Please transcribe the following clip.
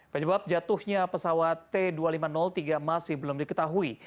penyebab jatuhnya pesawat t dua ribu lima ratus tiga masih belum diketahui